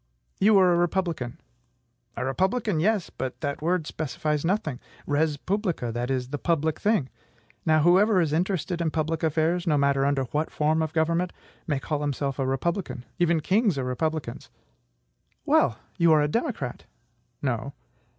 "You are a republican." "A republican! Yes; but that word specifies nothing. Res publica; that is, the public thing. Now, whoever is interested in public affairs no matter under what form of government may call himself a republican. Even kings are republicans." "Well! you are a democrat?" "No."